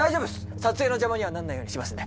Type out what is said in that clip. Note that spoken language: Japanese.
撮影の邪魔にはなんないようにしますんで。